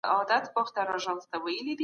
چي پیدا سوی ژوند پر جهان دی